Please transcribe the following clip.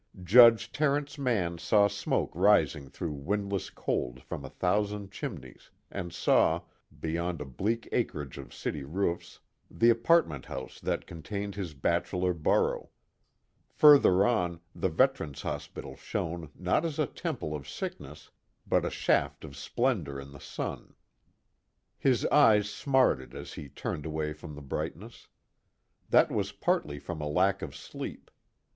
Judge Terence Mann saw smoke rising through windless cold from a thousand chimneys, and saw, beyond a bleak acreage of city roofs, the apartment house that contained his bachelor burrow; further on, the Veterans Hospital shone not as a temple of sickness but a shaft of splendor in the sun. His eyes smarted as he turned away from the brightness. That was partly from a lack of sleep.